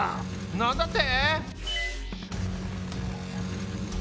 なんだって！？